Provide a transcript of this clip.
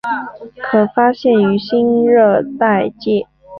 可发现于新热带界。